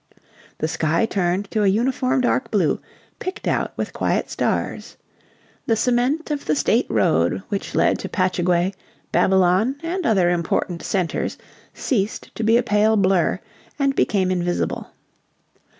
The sky turned to a uniform dark blue, picked out with quiet stars. The cement of the state road which led to Patchogue, Babylon, and other important centres ceased to be a pale blur and became invisible.